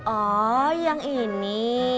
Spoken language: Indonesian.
oh yang ini